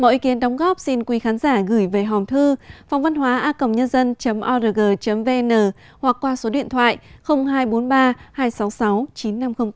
mọi ý kiến đóng góp xin quý khán giả gửi về hòm thư phongvănhováa cầm nhân dân org vn hoặc qua số điện thoại hai trăm bốn mươi ba hai trăm sáu mươi sáu chín nghìn năm trăm linh tám